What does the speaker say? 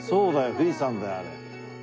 富士山だよあれ。